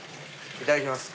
いただきます。